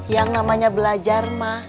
yang namanya belajar mah